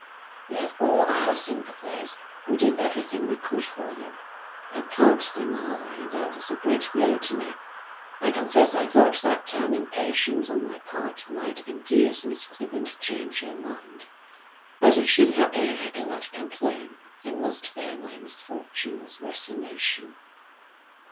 "You have all our sympathies. We did everything we could for you." "I can't deny that it's a great blow to me. I confess I thought that time and patience on my part might induce Miss Clibborn to change her mind. But if she's happy, I cannot complain. I must bear my misfortune with resignation."